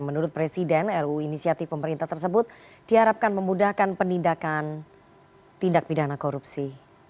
menurut presiden ruu inisiatif pemerintah tersebut diharapkan memudahkan penindakan tindak pidana korupsi